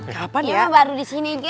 kapan ya baru di sini